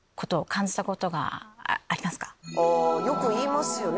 よく言いますよね